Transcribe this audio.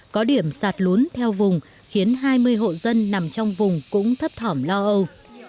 có điểm sạt lún theo vùng khiến hai mươi hộ dân nằm trong vùng cũng thấp thỏm lo âu